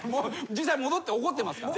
実際戻って起こってますから。